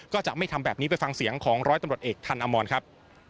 ก็จะไม่ทำแบบนี้ไปฟังเสียงของร้อยตำรวจเอกทันอมรครับ